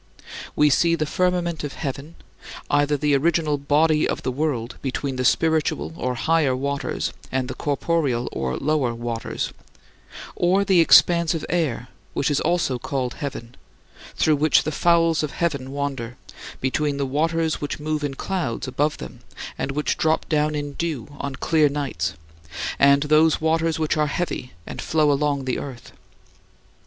We see the firmament of heaven, either the original "body" of the world between the spiritual (higher) waters and the corporeal (lower) waters or the expanse of air which is also called "heaven" through which the fowls of heaven wander, between the waters which move in clouds above them and which drop down in dew on clear nights, and those waters which are heavy and flow along the earth.